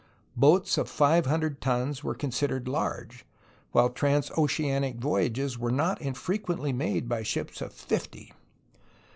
Boats of five hundred tons were considered large, while trans oceanic voyages were not infrequently made by ships of fifty.